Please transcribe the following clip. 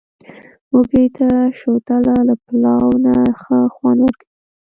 وږي ته، شوتله له پلاو نه ښه خوند ورکوي.